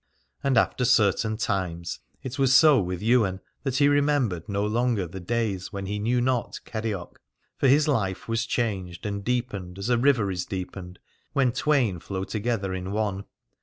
And after certain times it was so with Ywain that he remembered no longer the days when he knew not Kerioc; for his life was changed and deepened as a river is deepened when twain flow together in one.